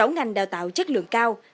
sáu ngành đào tạo chất lượng cao